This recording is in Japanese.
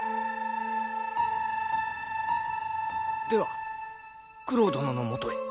では九郎殿のもとへ。